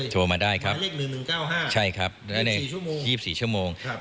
โทรมาได้เลยหมายเลข๑๑๙๕๒๔ชั่วโมง